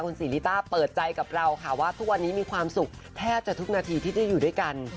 ศรีริต้าเปิดใจกับเราค่ะว่าทุกวันนี้มีความสุขแทบจะทุกนาทีที่ได้อยู่ด้วยกัน